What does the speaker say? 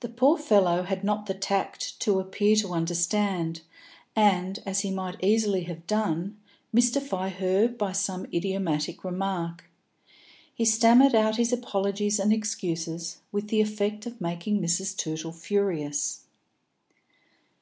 The poor fellow had not the tact to appear to understand, and, as he might easily have done, mystify her by some idiomatic remark. He stammered out his apologies and excuses, with the effect of making Mrs. Tootle furious.